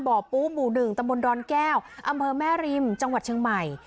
ปูหมู่๑ตำบลดอนแก้วอำเภอแม่ริมจังหวัดเชียงใหม่